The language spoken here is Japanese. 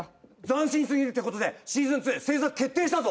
斬新過ぎるってことでシーズン２制作決定したぞ。